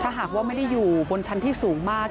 หากว่าไม่ได้อยู่บนชั้นที่สูงมาก